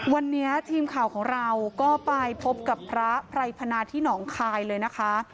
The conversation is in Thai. วันนี้ทีมข่าวของเราก็ไปพบกับพระไพรพนาที่หนองคายเลยนะคะ